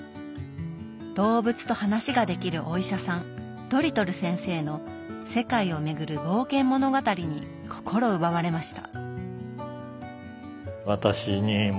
動物と話ができるお医者さんドリトル先生の世界を巡る冒険物語に心奪われました。